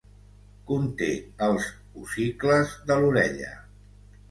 Conté els ossicles de l'orella.